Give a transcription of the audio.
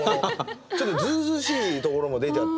ちょっとずうずうしいところも出ちゃって。